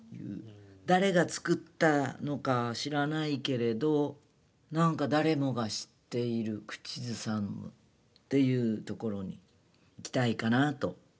誰が作ったのか知らないけれどなんか誰も知っている口ずさむっていうところにいきたいかなと。